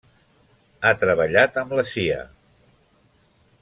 Ha treballat amb la Cia.